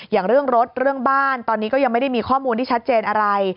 อย่างเรื่องรถเรื่องบ้านตอนนี้ก็ยังไม่ได้มีข้อมูลที่ชัดเจนอะไร